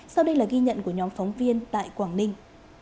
sau đây là ghi nhận của nhóm phóng viên tại quảng ninh